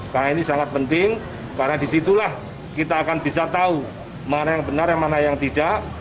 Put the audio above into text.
karena ini sangat penting karena disitulah kita akan bisa tahu mana yang benar yang mana yang tidak